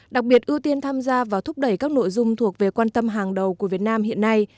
đặc biệt ưu tiên tham gia vào thúc đẩy các nội dung thuộc về quan tâm hàng đầu của việt nam hiện nay